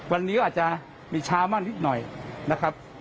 วันนี้อาจจะมีช้ามากนิดหน่อยนะครับ